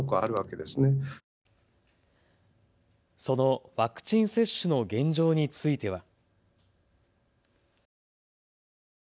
そのワクチン接種の現状については。